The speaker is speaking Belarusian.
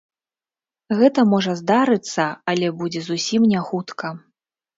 Гэта можа здарыцца, але будзе зусім не хутка.